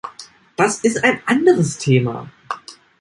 Das ist ein anderes Thema.